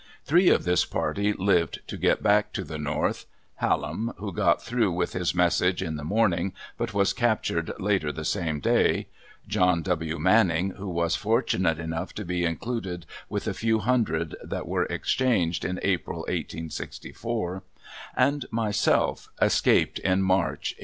Three of this party lived to get back to the North Hallam, who got through with his message in the morning, but was captured later the same day; John W. Manning, who was fortunate enough to be included with a few hundred that were exchanged in April, 1864, and myself, escaped in March, 1864.